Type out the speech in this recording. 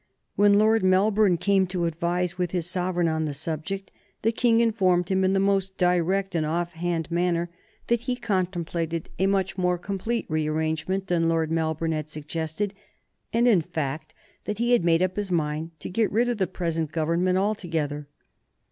When Lord Melbourne came to advise with his sovereign on the subject the King informed him, in the most direct and off hand manner, that he contemplated a much more complete rearrangement than Lord Melbourne had suggested, and, in fact, that he had made up his mind to get rid of the present Government altogether.